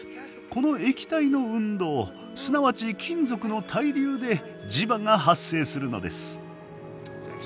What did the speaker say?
この液体の運動すなわち金属の対流で磁場が発生するのです。